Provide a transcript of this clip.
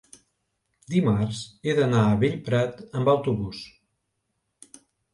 dimarts he d'anar a Bellprat amb autobús.